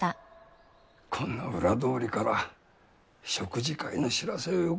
こんな裏通りから食事会の知らせをよこすなんざ。